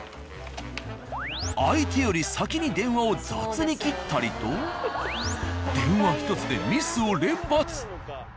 相手より先に電話を雑に切ったりと電話ひとつでミスを連発！